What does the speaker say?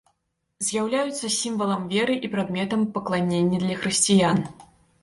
З'яўляюцца сімвалам веры і прадметам пакланення для хрысціян.